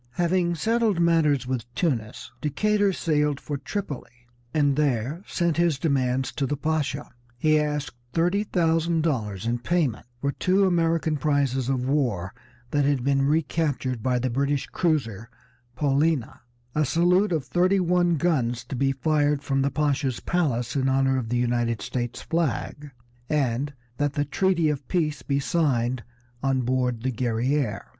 Having settled matters with Tunis, Decatur sailed for Tripoli, and there sent his demands to the Pasha. He asked thirty thousand dollars in payment for two American prizes of war that had been recaptured by the British cruiser Paulina, a salute of thirty one guns to be fired from the Pasha's palace in honor of the United States flag, and that the treaty of peace be signed on board the Guerrière.